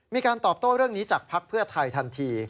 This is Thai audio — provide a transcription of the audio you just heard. มีการตอบโต้เรื่องนี้จากภักดิ์เพื่อไทยทันที